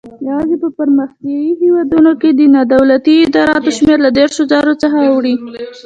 یوازې په پرمختیایي هیوادونو کې د نادولتي ادراراتو شمېر له دېرش زرو څخه اوړي.